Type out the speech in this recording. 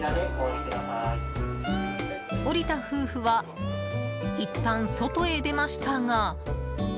降りた夫婦はいったん外へ出ましたが。